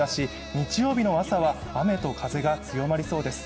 日曜日の朝は雨と風が強まりそうです。